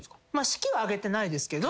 式は挙げてないですけど。